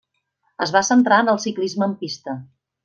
Es va centrar en el ciclisme en pista.